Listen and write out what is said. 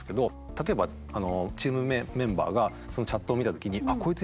例えばチームメンバーがそのチャットを見た時にこいつ